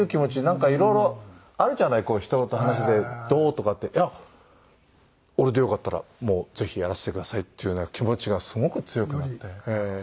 なんかいろいろあるじゃない人と話で「どう？」とかって。いや俺でよかったらもうぜひやらせてくださいっていうような気持ちがすごく強くなって。